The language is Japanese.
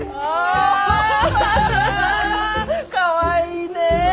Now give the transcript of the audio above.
かわいいねえ！